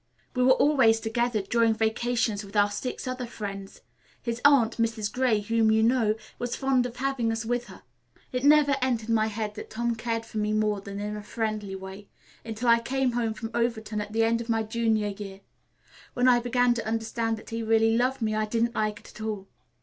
We were always together during vacations with our six other friends. His aunt, Mrs. Gray, whom you know, was fond of having us with her. It never entered my head that Tom cared for me in more than a friendly way, until I came home from Overton at the end of my junior year. When I began to understand that he really loved me, I didn't like it at all.